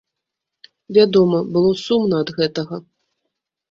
Вядома, было сумна ад гэтага.